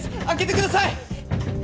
開けてください！